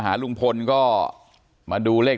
การแก้เคล็ดบางอย่างแค่นั้นเอง